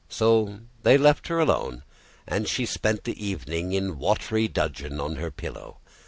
So they left her alone, and she spent the evening in watery dudgeon on her pillow.